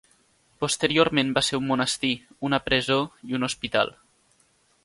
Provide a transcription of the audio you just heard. Posteriorment va ser un monestir, una presó i un hospital.